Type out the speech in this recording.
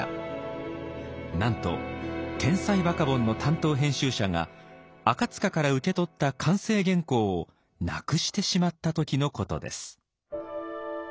なんと「天才バカボン」の担当編集者が赤から受け取った完成原稿をなくしてしまった時のことです。